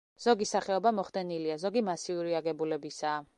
ზოგი სახეობა მოხდენილია, ზოგი მასიური აგებულებისაა.